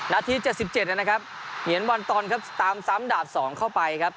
นาที๗๗นะครับเหงียนวันตอนครับตามซ้ำดาบ๒เข้าไปครับ